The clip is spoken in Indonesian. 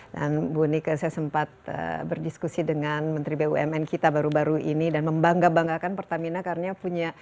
dan bu nika saya sempat berdiskusi dengan menteri bumn kita baru baru ini dan membangga banggakan pertamina karena punya